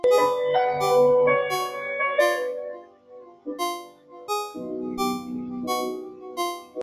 Las elecciones se celebraban siempre el lunes siguiente al día de San Miguel.